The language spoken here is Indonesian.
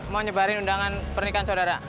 mau nyebarin undangan pernikahan saudara